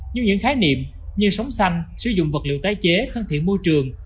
như những khái niệm như sống xanh sử dụng vật liệu tái chế thân thiện môi trường